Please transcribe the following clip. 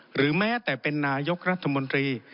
หรือแม้แต่เป็นนายกรัฐมนตรี